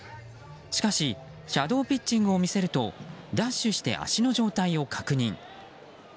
しかしシャドーピッチングを見せるとダッシュして足の状態を確認。